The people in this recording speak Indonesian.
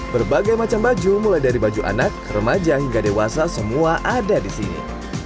berbagai macam baju mulai dari baju anak remaja hingga dewasa semua ada di sini